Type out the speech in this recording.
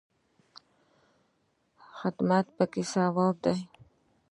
خدمت پکې ثواب دی